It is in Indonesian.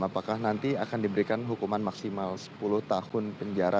apakah nanti akan diberikan hukuman maksimal sepuluh tahun penjara